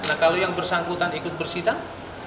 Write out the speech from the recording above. nah kalau yang bersangkutan ikut bersidang